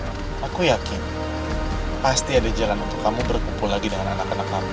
hai aku yakin pasti ada jalan untuk kamu berkumpul lagi dengan anak anak kamu